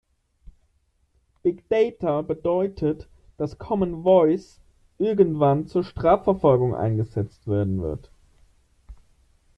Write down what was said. Big Data bedeutet, dass Common Voice irgendwann zur Strafverfolgung eingesetzt werden wird.